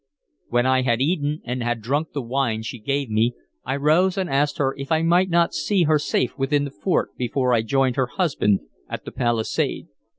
When I had eaten, and had drunk the wine she gave me, I rose, and asked her if I might not see her safe within the fort before I joined her husband at the palisade.